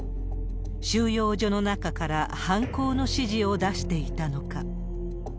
収容所の中から犯行の指示を出していたのか。